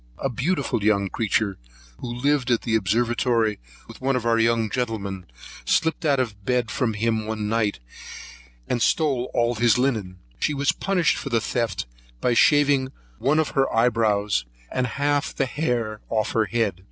A beautiful young creature, who lived at the Observatory with one of our young gentlemen, slipped out of bed from him in the night, and stole all his linen. She was punished for the theft, by shaving one of her eye brows, and half of the hair off her head.